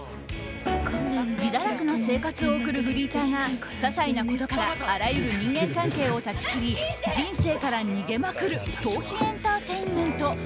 自堕落な生活を送るフリーターが些細なことからあらゆる人間関係を断ち切り人生から逃げまくる逃避エンターテインメント。